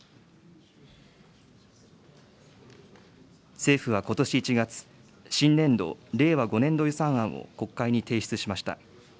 政府はことし１月、新年度・令和５年度予算案を国会に提出しました。